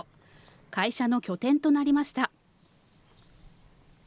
会社の拠点となりました。